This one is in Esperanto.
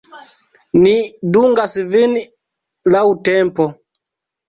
Ni dungas vin laŭ tempo.